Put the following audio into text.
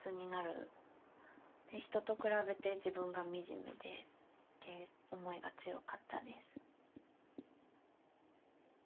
人と比べて自分がみじめでっていう思いが強かったです。